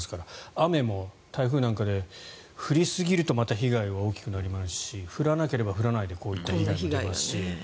雨も台風なんかで降りすぎるとまた被害が大きくなりますし降らなければ降らないでこういうことになりますし。